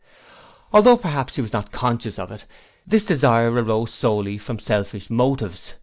Although perhaps he was not conscious of it, this desire arose solely from selfish motives.